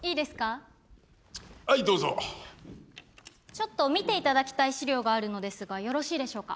ちょっと見て頂きたい資料があるのですがよろしいでしょうか？